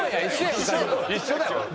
一緒だろ。